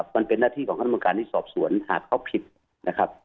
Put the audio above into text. มันเป็นหน้าที่ของคณะกรรมการที่สอบสวนหากเขาผิดนะครับ